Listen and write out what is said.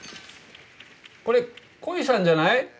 これ鯉さんじゃない？